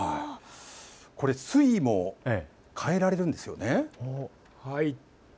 これ水位も変えられるんですよね。